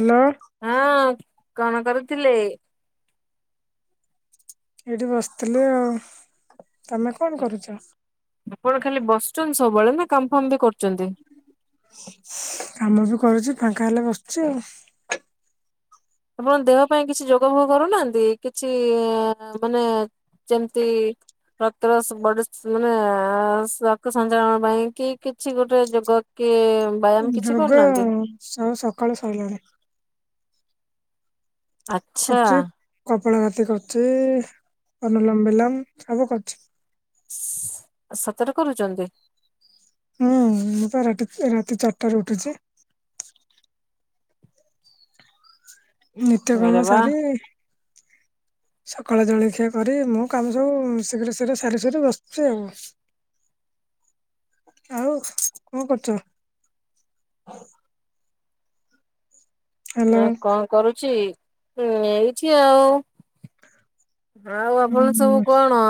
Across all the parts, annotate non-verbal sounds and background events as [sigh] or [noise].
Hello. ହଁ କଣ କରୁଥିଲେ? ଏଇଠି ବସିଥିଲି ଆଉ। ତମେ କଣ କରୁଚ? ଆପଣ ଖାଲି ବସୁଛନ୍ତି ସବୁବେଳେ ନା କାମ ଫାମ୍ ବି କରୁଚନ୍ତି। କାମ ବି କରୁଚି ଫାଙ୍କା ହେଲେ ବସୁଚି ଆଉ। ଆପଣ ଦେହ ପାଇଁ କିଛି ଯୋଗ ଫୋଗ କରୁନାହାନ୍ତି? କିଛି ମାନେ ଯେମିତି [unintelligible] ମାନେ ରକ୍ତ ସଞ୍ଚାଳନ ପାଇଁ କି କିଛି ଗୋଟେ ଯୋଗ? କି ବ୍ୟାୟାମ କିଛି ଯୋଗ କରୁନାହାନ୍ତି ସବୁ ସକାଳୁ ସଇଲାଣି। ଆଚ୍ଛା। କରୁଛି କପଳାଘାଟି କରୁଛି ଅନୁଲମ ବିଲମ ସବୁ କରୁଛି। ସତରେ କରୁଚନ୍ତି? ହୁଁ ମୁଁ ତ ରାତି ରାତି ଚାରିଟାର ଉଠୁଚି। ନିତ୍ୟ ଆରେ କାମ ବା ସାରି ସକାଳ ଜଳଖିଆ କରି ମୁଁ କାମ ସବୁ ଶୀଘ୍ର ଶୀଘ୍ର ସାରି ସୁରିି ବସଚି ଆଉ। ଆଉ କଣ କରୁଚ? ହ୍ୟାଲୋ ଆଉ କଣ କରୁଚି ଉଁ ଏଇଠି ଆଉ। ଆଉ ଆପଣ ସବୁ ଉଁ କଣ?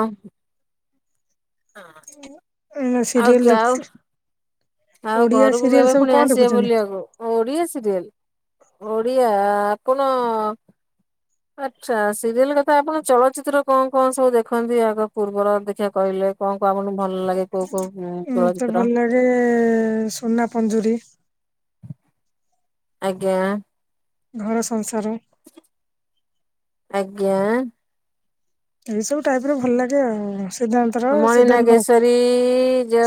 ଏଇନେ ଆଉ କି ସିରିୟଲ ଆଉ ଦେଖଚି। ଆଉ ଘରୁକୁ କେବେ ସବୁ ଫୁଣି କଣ ଆସିବେ ଦେଖୁଛନ୍ତି? ବୁଲିଆକୁ? ଓଡ଼ିଆ ସିରିଏଲ୍ ଓଡ଼ିଆ ଆପଣ ଆଚ୍ଛା ସିରିଏଲ କଥା ଆପଣ ଚଳଚ୍ଚିତ୍ର କଣ କଣ ସବୁ ଦେଖନ୍ତି ଆଗ ପୂର୍ବର ଦେଖିଆ କହିଲେ କଣ କଣ ଆପଣ ଭଲ ଲାଗେ କୋଉ କୋଉ ଉଁ ଚଳଚ୍ଚିତ୍ର? ଏ ସୁନା ପଞ୍ଜୁରୀ। ଆଜ୍ଞା। ଘର ସଂସାର। ଆଜ୍ଞା। ଏଇ ସବୁ ଟାଇପର ଭଲ ଲାଗେ ଆଉ। ସିଦ୍ଧାନ୍ତର ହଁ ମଣି ନାଗେଶ୍ବରୀ।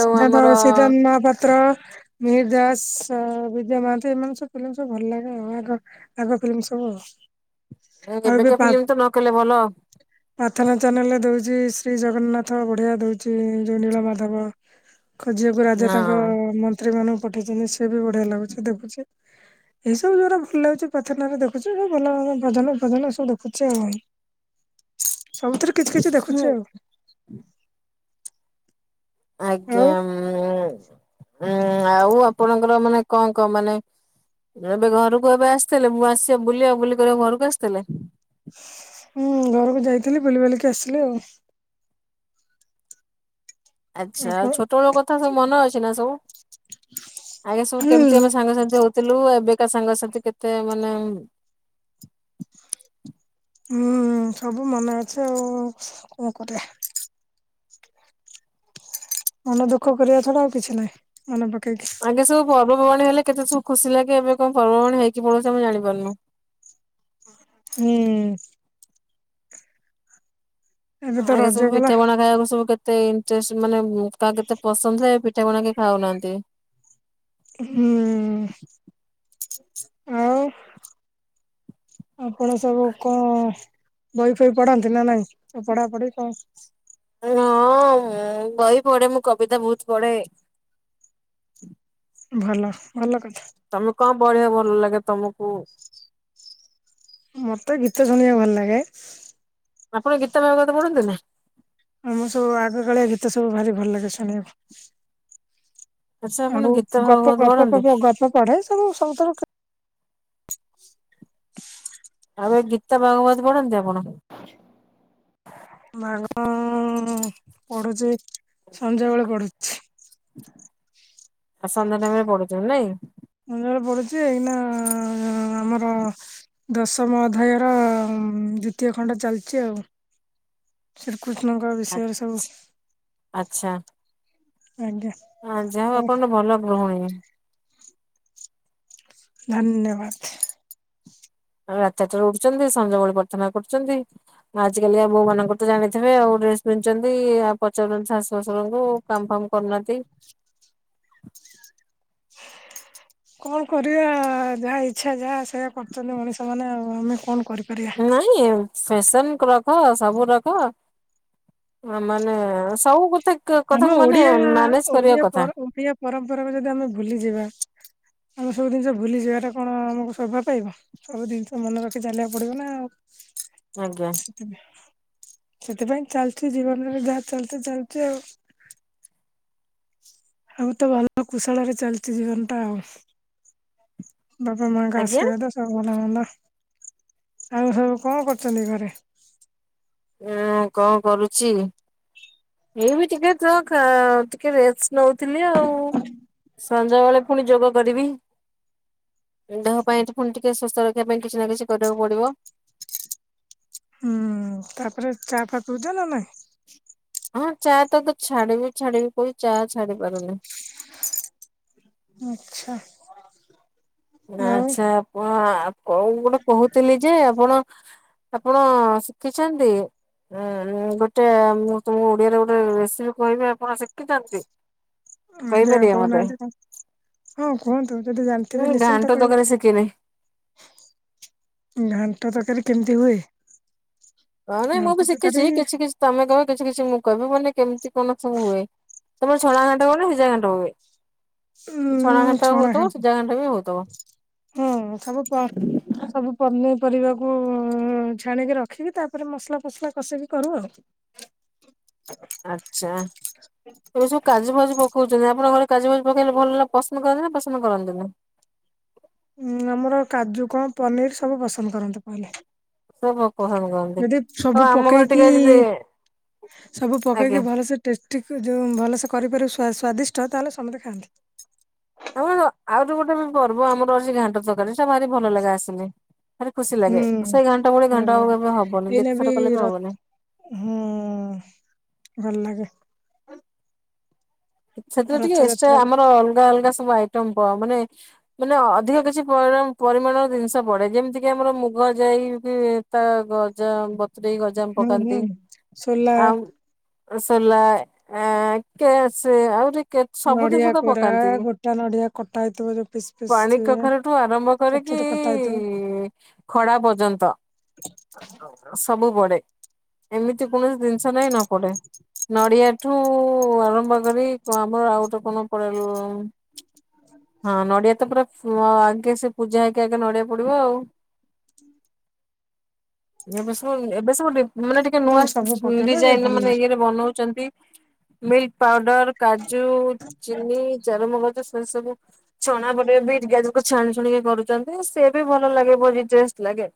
ସିଦ୍ଧାତ-ସିଦ୍ଧାନ୍ତ ମହାପାତ୍ର। ମିହିର ଦାସ ଅ ବିଜୟ ମହାନ୍ତି ଏମାନେ ସବୁ ଫିଲିମି ସବୁ ଭଲ ଲାଗେ ଆଉ ଆଗ ଆଗ ଫିଲ୍ମ ସବୁ ଆଉ। ହୁଁ ଆଉ ଏବେ ଏବେକା ପା ଫିଲ୍ମ ତ ନ କହିଲେ ଭଲ। ପ୍ରାର୍ଥନା ଚ୍ୟାନେଲରେ ଦଉଚି ଶ୍ରୀ ଜଗନ୍ନାଥ ବଢିଆ ଦଉଚି ଯୋଉ ନୀଳମାଧବ ଖୋଜିଆକୁ ରାଜା ତାଙ୍କ ମନ୍ତ୍ରୀ ମାନଙ୍କୁ ପଠେଇଚନ୍ତି ସେ ବି ବଢିଆ ଲାଗୁଛି ଦେଖୁଛି। ଏଇ ସବୁ ଯୋଉଗୁରା ଭଲ ଲାଗୁଚି ପ୍ରାର୍ଥନାରେ ଦେଖୁଚି ଯୋଉ ଭଲ ଭଲ ଭଜନ ଫଜନ ସବୁ ଦେଖୁଛି ଆଉ। ସବୁଥିରୁ କିଛି କିଛି ଦେଖୁଚି ଆଉ। ଆଉ ଆଜ୍ଞା ଉଁ ଉଁ ଆଉ ଆପଣଙ୍କର ମାନେ କଣ କଣ ମାନେ ଏବେ ଘରୁକୁ ଏବେ ଆସିଥିଲେ ମାସେ ବୁଲିଆ ବୁଲି କରିଆକୁ ଘରୁକୁ ଆସିଥିଲେ? ହୁଁ ଘରୁକୁ ଯାଇଥିଲି ବୁଲି ବାଲିକି ଆସିଲି ଆଉ। ଆପଣ ଆଚ୍ଛା ଆଉ ଛୋଟବେଳ କଥା ସବୁ ମନେ ଅଛି ନା ସବୁ? ଆଜ୍ଞା ସବୁ ହୁଁ କେମତି ଆମେ ସାଙ୍ଗସାଥି ହଉଥିଲୁ ଏବେକା ସାଙ୍ଗସାଥି କେତେ ମାନେ ଉଁ ହୁଁ ହୁଁ ସବୁ ମନେ ଅଛି ଆଉ କଣ କରିବା। ମନ ଦୁଃଖ କରିବା ଛଡା ଆଉ କିଛି ନାହିଁ ମନେ ପକେଇକି। ଆଗେ ସବୁ ପର୍ବ ପର୍ବାଣୀ ହେଲେ କେତେ ସବୁ ଖୁସି ଲାଗେ ଏବେ କଣ ପର୍ବ ପର୍ବାଣୀ ହେଇକି ପଳଉଛି ଆମ ଜାଣିପାରୁନୁ। ହୁଁ। ଏବେ ତ ଆଗ ରଜ ସବୁ ଗଲା ପିଠା ପଣା ଖାଇଆକୁ ସବୁ କେ କେତେ ଇଣ୍ଟେଷ୍ଟ ମାନେ ଉଁ କାହାକୁ କେତେ ପସନ୍ଦ ଥାଏ ପିଠା ପଣା କିଏ ଖାଉନାହାନ୍ତି। ହୁଁ ଆଉ ଆପଣ ସବୁ କଣ ବହି ଫହି ପଢାନ୍ତି ନା ନାଇଁ ପଢା ପଢି କଣ? ହଁ ମୁଁ ବହି ପଢେ ମୁଁ କବିତା ବହୁତ ପଢେ। ଭଲ ଭଲ କଥା। ତମେ କଣ ପଢିଆ ଭଲ ଲାଗେ ତମୁକୁ? ମତେ ଗୀତ ଶୁଣିଆକୁ ଭଲ ଲାଗେ। ଆପଣ ଗୀତା ଭାଗଗତ ପଢନ୍ତିନି? ମୁଁ ସବୁ ଆଗ କାଳିଆ ଗୀତ ସବୁ ଭାରି ଭଲ ଲାଗେ ଶୁଣିଆକୁ। ଆଚ୍ଛା ଆପଣ ଆଉ ଗୀତା ମୁଁ ଗପ ଭାଗବତ ଫପ ପଢନ୍ତି? ପଢେ ଆଉ ଗପ ପଢେ ସବୁ ସବୁତ ଆଉ ଏ ଗୀତା ଭାଗବତ ପଢନ୍ତି ଆପଣ? ଭାଗ ପଢୁଛି ସଞ୍ଜ ବେଳେ ପଢୁଛି। ଆଉ ସନ୍ଧ୍ୟା ଟାଇମରେ ପଢୁଚ ନାଇଁ? ସନ୍ଧ୍ୟାବେଳେ ପଡୁଛି ଏଇନା ଆମର ଦଶମ ଅଧ୍ୟାୟର ଦ୍ଵିତୀୟ ଖଣ୍ଡ ଚାଲିଛି ଆଉ। ଶ୍ରୀକୃଷ୍ଣଙ୍କ ବିଷୟରେ ସବୁ ଆଚ୍ଛା। ଆଜ୍ଞା। ହଁ ଯାହା ହଉ ଆପଣଙ୍କ ଭଲ ଗୃହଣୀ। ଧନ୍ୟବାଦ। ରାତିଚାରିଟାରୁ ଉଠୁଚନ୍ତି ସଞ୍ଜବେଳେ ପ୍ରାର୍ଥନା କରୁଛନ୍ତି। ଆଜିକାଲି ଆ ବୋଉ ମାନଙ୍କୁ ତ ଜାଣିଥିବେ ଆଉ ଡ୍ରେସ ପିନ୍ଧୁଛନ୍ତି ଆଉ ପଚାରୁଛନ୍ତି ଶାଶୁ ଶାଶୁରଙ୍କୁ। କାମ ଫାମ କରୁନାହାନ୍ତି। କଣ କରିବା ଯାହା ଇଛା ଯାହା ସେଇଆ କରୁଛନ୍ତି ମଣିଷ ମାନେ ଆଉ ଆମେ କଣ କରିବୁ। ନାଇଁ ଫେସନ କ ରଖ ସବୁ ରଖ ମାନେ ସବୁ କଥା ଆମ କଥାକୁ ମାନେ ଓଡିଆ ମ୍ୟାନେଜ ଓଡିଆ କରିବା କଥା। ଓଡିଆ ପରମ୍ପରାକୁ ଯଦି ଆମେ ଭୁଲିଯିବା ଆମେ ସବୁ ଜିନିଷ ଭୁଲିଯିବାଟା କଣ ଆମକୁ ସୋଭା ପାଇବ। ସବୁ ଜିନିଷ ମନେ ରଖି ଚାଲିବାକୁ ପଡିବ ନା ଆଉ। ଆଜ୍ଞା ସେଥିପାଇଁ ଚାଲିଛି ଜୀବନରେ ଯାହା ଚାଲଚ ଚାଲଛି ଆଉ। [inaudible] ଆଉ ତ ଭଲ କୁଶଳ ରେ ଚାଲିଛି ଜୀବନ ଟା ଆଉ। ବାପା ମାଙ୍କ ଆଜ୍ଞା ଆଶୀର୍ବାଦ ଆଉ ଭଲ ମନ୍ଦ ଆଉ ସବୁ କଣ କରୁଚନ୍ତି ଘରେ? ହୁଁ କଣ କରୁଚି? ଏଇ ବି ଟିକେ ତ ଟିକେ ରେଷ୍ଟ ନଉଥିଲି ଆଉ। ସଞ୍ଜବେଳେ ଫୁଣି ଯୋଗ କରିବି। ଦେହ ପାଇଁ ପୁଣି ଟିକେ ସୁସ୍ଥ ରଖିବା ପାଇଁ କିଛି ନା କିଛି କରିବାକୁ ପଡିବ। ହୁଁ ତାପରେ ଚା ଫା ପିଉଚ ନା ନାଇଁ? ହଁ ଚା ତ ଛାଡିବି ଛାଡିବି କହିି ଚା ଛାଡି ପାରୁନି। ଆଚ୍ଛା ଆଉ ଆଚ୍ଛା ପ ଗୋଟେ କହୁଥିଲି ଯେ ଆପଣ ଆପଣ ଶିଖିଛନ୍ତି? ଉଁ ଗୋଟେ ମୁଁ ତମକୁ ଓଡିଆରେ ଗୋଟେ ରେସିପି କହିବି ଆପଣ ଶିଖିଚନ୍ତି? ଆଜ୍ଞା କହୁନାହାନ୍ତି କଣ ହଁ କୁହନ୍ତୁ ଯଦି ମୁଁ ଜାଣିଥିବେ ଘାଣ୍ଟ ନିଶ୍ଚିନ୍ତ କହିବି। ତରକାରୀ ଶିଖିନି। ଘାଣ୍ଟ ତରକାରୀ କେମିତି ହୁଏ? ହଁ ନାଇଁ ମୁଁ ଘାଣ୍ଟ ବି ତରକାରୀ ଶିଖିଛି କିଛି କିଛି ତମେ କହିବ କିଛି କିଛି ମୁଁ କହିବି ମାନେ କେମିତି କଣ ସବୁ ହୁଏ। ତମର ଛଣା ଘାଣ୍ଟ ହୁଏ ନା ସିଝ ଘାଣ୍ଟ ହୁଏ ଛଣା ଘାଣ୍ଟ ହଉଥିବ ସିଝା ଘାଣ୍ଟ ବି ହଉଥବ। ହଁ ସବୁ ପ ସବୁ ପନିପରିବାକୁ ଛାଣିକି ରଖିକି ତା ତାପରେ ମସଲା ଫସଲା କଷିକି କରୁ ଆଉ। ଆଚ୍ଛା ଏ ଯୋଉ କାଜୁ ଫାଜୁ ପକଉଚନ୍ତି ଆପଣଙ୍କ ଘରେ କାଜୁ ମଞ୍ଜି ପକେଇଲେ ଭଲ ପସନ୍ଦ କରନ୍ତି ନା ପସନ୍ଦ କରନ୍ତି ନା ଉଁ ଆମର କାଜୁ କଣ ପନିର ସବୁ ପସନ୍ଦ କରନ୍ତି କହିଲେ। ସବୁ ପସନ୍ଦ କରନ୍ତି। ଯଦି ଆଉ ସବୁ ଆମ ଘରେ ପକେଇକି ଟିକେ ଯଦି ସବୁ ଆଜ୍ଞା। ପକେଇକି ଭଲସେ ଟେଷ୍ଟିକ୍ ଯୋଉ ଭଲସେ କରିପାରିବ ସ୍ଵାଦିଷ୍ଟ ତାହେଲେ ସମସ୍ତେ ଖାଆନ୍ତି। ଆମର ଆଉରି ଗୋଟେ ବି ପର୍ବ ଆମର ଅଛି ଘାଣ୍ଟ ତରକାରୀ ସେ ଭାରି ଭଲ ଲାଗେ ଆସିଲେ। ଭାରି ଖୁସି ହୁଁ ଲାଗେ ସେଇ ଘାଣ୍ଟ ଭଳି ଭଲ ଘାଣ୍ଟ ଆଉ ଲାଗେ। କେବେ ହବନି ଏଇନା ଯେତେ ଥର କଲେ ର ବି ହବନି। ହୁଁ ଭଲ ଲାଗେ। ସେଥିରେ ଟିକେ ଏଷ୍ଟେରା ରଥଯାତ୍ରା ବି ଆମର ଅଲଗା ଅଲଗା ସବୁ ଆଇଟମ୍ ମାନେ ମାନେ ଅଧିକ କିଛି ପର ପରିମାଣର ଜିନିଷ ପଡେ ଯେମିତି କିି ଆମର ମୁଗ ଯାଇ ହୁଏ। ତା ଗଜା ବତୁରେଇ ଗଜାମ୍ ହୁଁ ପକାନ୍ତି ହୁଁ। ସୋଲା ଆଉ ସୋଲା ଆ କେ ସେ ଆହୁରି କେ ସବୁ ଜିନିଷ ନଡ଼ିଆ ତ କୋରା ପକାନ୍ତି ଗୋଟା ନଡ଼ିଆ କଟାଥିବ ଯଉ ପିସ୍ ପିସ୍ ପାଣି ସେ କଖାରୁଠୁ ଆରମ୍ଭ ଛୋଟ କରିକି ଛୋଟ କଟା ହେଇଥିବ। ଖଡା ପର୍ଯ୍ୟନ୍ତ ସବୁ ପଡେ। ଏମିତି କୌଣସି ଜିନିଷ ନାଇଁ ନ ପଡେ ନଡିଆ ଠୁ ଆରମ୍ଭ ପଡେବି ଆମର ଆଉ ଗୋଟେ କଣ ପଡେଲୋ ହଁ ନଡିଆ ତ ପୁରା ହ ଆଉ ଆଗେ ସେ ପୂଜା ହେଇକି ଆଗେ ନଡିଆ ପଡିବ ଆଉ। ଏବେଶବୁ ଏବେଶବୁ ଡି ମାନେ ଟିକେ ହୁଁ ନୂଆ ସବୁ ପକେଇଲେ ଡିଜାଇନ ଭଲ ମାନେ ଲାଗେ ଇଏରେ ବନଉଚନ୍ତି। ମି ପାଉଡର କାଜୁ ଚିନି ଚାରୁମଗଜ ସେ ସବୁ ଛଣା ପଡିବ ବି ପିଆଜକୁ ଛାଣି ଛୁଣିକି କରୁଚନ୍ତି ସେ ବି ଭଲ ଲାଗେ ବଢିଟେଷ୍ଟେ ଲାଗେ।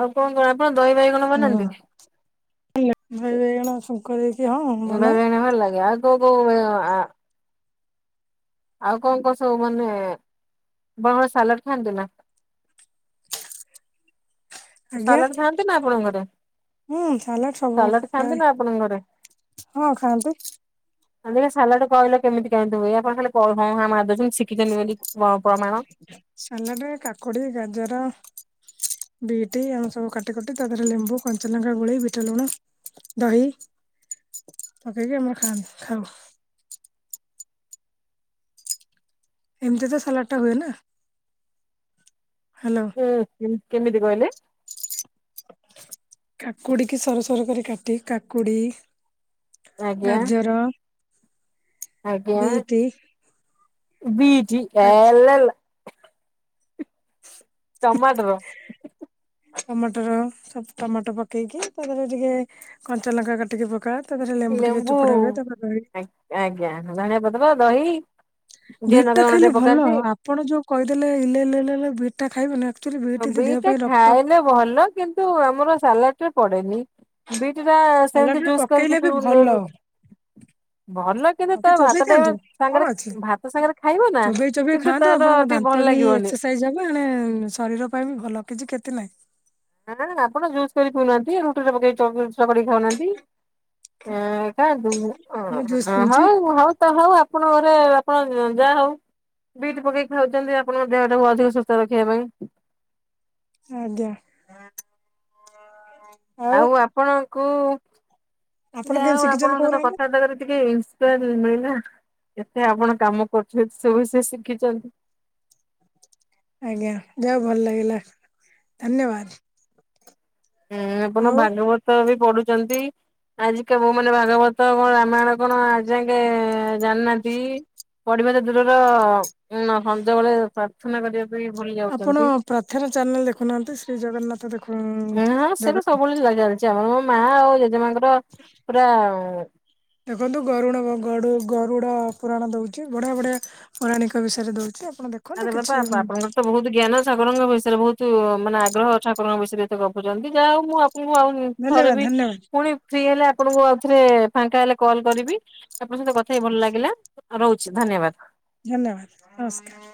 ଆଉ କଣ କଣ ଆପଣ ଦହି ବାଇଗଣ ବନାନ୍ତି? ହଁ ହହିବାଇଗଣ ସଙ୍କଲ୍ ଦେଇ ଦହି ବାଇଗଣ ଭଲ ଲାଗେ ଆଉ କୋଉ କୋଉ ଆ ଆଉ କଣ କଣ ସବୁ ମାନେ ବୋହ ସାଲାଡ୍ ଖାଆନ୍ତି ନା। ଆଜ୍ଞା ସାଲାଡ୍ ଖାଆନ୍ତି ନା ଆପଣଙ୍କ ଘରେ। ହୁଁ ସାଲାଡ୍ ସବୁ ସାଲାଡ ଖାଆନ୍ତି ପ୍ରାୟେ ନା ଆପଣଙ୍କ ଘରେ? ହଁ ଖାଆନ୍ତି। ସାଲାଡ୍ କହିଲେ କେମିତି କେମିତି ହୁଏ ଆପଣ ଖାଲି ହଁ ହାଁ ମାଦୋଉଚନ୍ତି ଶିଖିଛନ୍ତିି ବୋଲି ପ୍ରମାଣ। ସାଲାଡ୍ ରେ କାକୁଡି, ଗାଜର ବୀଟି ଆମେ ସବୁ କାଟାକଟିି ତାଦେହରେ ଲେମ୍ବୁ କଞ୍ଚାଲଙ୍କା ଗୋଳେଇ ବିଟ ଲୁଣ ଦହି ପକେଇକି ଆମର ଖାଆନ୍ତି ଖାଉ। ଏମତି ତ ସାଲାଟ ଟା ହୁଏନା ହ୍ୟାଲୋ। ହୁ କେମିତି କହିଲେ? କାକୁଡି କି ସରୁ ସରୁ କରି କାଟି କାକୁଡି ଆଜ୍ଞା ଗାଜର ଆଜ୍ଞା ବିଟି ବିଚ୍ କା ଆଲାଲା। ଟମାଟର। ଟମାଟୋର ସବ ଟମାଟୋ ପକେଇକି ତାପରେ ଟିକେ କଞ୍ଚା ଲଙ୍କା କାଟିକି ପକା ତା ପରେ ଲେମ୍ବୁ ଟିକେ ଚୋପଡ଼ା ହୁଏ ତା କ ଆଜ୍ଞା ଧନିଆ ପତ୍ର ଦହି ଯିଏ ଭିଟ ଲଙ୍କା ଟା ଗୁଣ୍ଡ ଖାଇଲେ ଟିକେ ଭଲ ପକାନ୍ତି। ଆପଣ ଯୋଉ କହିଦେଲେ ଇଲେଲେ ଭିଟ ଟା ଖାଇବେ ନା। ଆଚୁଆଲି ଭ ଦେହ ବିଟା ପାଇଁ ରକ୍ତ ଖାଇଲେ ଭଲ କିନ୍ତୁ ଆମର ସାଲାଡରେ ପଡେନି। ବିଟିଟା ସେମିତ୍ ସାଲାଡରେ ଜ୍ୟୁସ୍ ପକେଇଲେ କରକି ପିଉନର୍। ମତେ ଚୋବେଇ ଦିଅନ୍ତୁ ସାଙ୍ଗରେ କଣ ଅଛି ଭାତ ସାଙ୍ଗରେ ଖାଇବ ନା ଚୋବେଇ ଚୋବେଇ କିନ୍ତୁ ଖାଆନ୍ତୁ ତାର ଆପଣଙ୍କ ଟିକେ ଭଲ ଦାନ୍ତ ବି ଲାଗିବନି। ଏକ୍ସସାଇଜ ହେବ ଏଣେ ଶରୀର ପାଇଁ ବି ଭଲ କିଛି କ୍ଷତି ନାହିଁ। ନାନା ନା ଆପଣ ଜୁସ୍ କରି ପିଉନାହାନ୍ତି ରୁଟିରେ ପକେଇ ଚକୋଡେଇକି ଛୁଆ କରି ଖାଉନାହାନ୍ତି। [unintelligible] ଆପଣ ମୁଁ ଜୁସ୍ ପିଉଛି ଘରେ ଆପଣ ଯାହା ହଉ। ବିଟ୍ ପକେଇକ ଖାଉଛନ୍ତି ଆପଣଙ୍କ ଦେହ ଟାକୁ ଅଧିକ ସୁସ୍ଥ ରଖିବା ପାଇଁ। ଆଜ୍ଞା। ଆଉ ଆପଣଙ୍କୁ ଆପଣ ଯାଉ କେମିତି ଶିଖିଛନ୍ତି ଆପଣଙ୍କ ସହିତ କହୁନାହାନ୍ତି? କଥାବାର୍ତ୍ତା କରି ଟିକେ ମିଳିନା ଏତେ ଆପଣ କାମ କରୁଛନ୍ତି ସ ବି ସେ ଶିଖିଛନ୍ତି। ଆଜ୍ଞା ଯାାଉ ଭଲ ଲାଗିଲା ଧନ୍ୟବାଦ। ହୁଁ ଆପଣ ଆଉ ଭାଗବତ ବି ପଢୁଛନ୍ତି। ଆଜ କା ବୋଉ ମାନେ ଭାଗବତ କଣ ରାମାୟଣ କଣ ଆଁଜକେ ଜାଣିନାହାନ୍ତି। ପଡିବାର ଦୂରର ଉ ସଞ୍ଜାବେଳେ ପ୍ରାର୍ଥନା କରିବା ପାଇଁ ଭୁଲି ଯାଉଛନ୍ତି। ପ୍ରଥର ଚ୍ୟାନେଲ ଦେଖୁନାହାନ୍ତି ଶ୍ରୀ ଜଗନ୍ନାଥ ଦେ ହ ହଁ ସେଟା ସବୁବେଳେ ଲାଗି ଚାଲିଛି ଆମର ମୋ ମା ଆଉ ଜେଜେମାଙ୍କର ପୁରା ଦେଖନ୍ତୁ ଗରୁଣକ ଗଡୁ ଗରୁଡ଼ ପୁରାଣ ଦେଉଛି ବଢ଼ିଆ ବଢ଼ିଆ ପୌରାଣିକ ବିଷୟରେ ଦଉଛି ଆପଣ ଦେ ଆରେ ବାପା ଆପ ଆପଣଙ୍କର ତ ବହୁତ ଜ୍ଞାନ ସାଗରଙ୍କ ବିଷୟରେ ବହୁତ ମାନେ ଆଗ୍ରହ ଠାକୁରଙ୍କ ବିଷୟରେ ଏତେ ଗପୁଚନ୍ତି। ଯାହା ହଉ ମୁଁ ମୁଁ ଆଉ ଧନ୍ୟବାଦ ଥରେ ବି ଧନ୍ୟବାଦ ପୁଣି ଫ୍ରି ହେଲେ ଆପଣଙ୍କୁ ଆଉଥରେ ଫାଙ୍କା ହେଲେ କଲ୍ କରିବି। ଆପଣଙ୍କ ସହିତ କଥା ହେଇ ଭଲ ଲାଗିଲା, ରହୁଛି ଧନ୍ୟବାଦ। ହ୍ୟାଲୋ, ନମସ୍କାର।